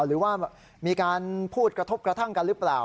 หรือว่ามีการพูดกระทบกระทั่งกันหรือเปล่า